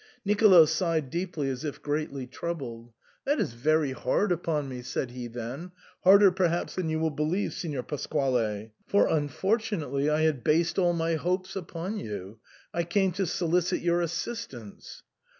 Nicolo sighed deeply, as if greatly troubled. " That SIGNOR FORMICA. 133 is very hard upon me," said he then, "harder perhaps than you will believe, Signor Pasquale. For unfortu nately — I had based all my hopes upon you. I came to solicit your assistance."